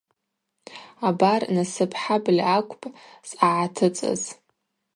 Абар, Насып-Хӏабльа акӏвпӏ съагӏатыцӏыз.